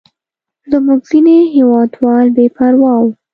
زموږ ځینې هېوادوال بې پروا وو.